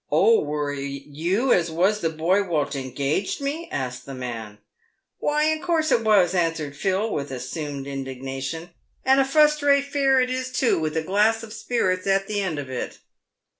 " Oh, were it you as was the boy wot engaged me ?" asked the man. " Why, in course it was," answered Phil, with assumed indigna tion, " and a fust rate fare it is too, with a glass of spirits at the end of it."